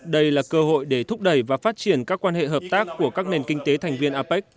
đây là cơ hội để thúc đẩy và phát triển các quan hệ hợp tác của các nền kinh tế thành viên apec